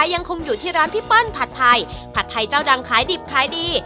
ยังคงอยู่ที่ร้านพี่เปิ้ลผัดไทยผัดไทยเจ้าดังขายดิบขายดี